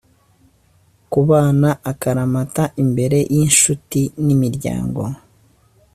kubana akaramata imbere y’inshuti n’imiryango